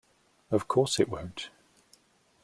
Of course it won't.